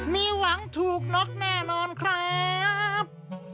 มีหวังถูกน็อกแน่นอนครับ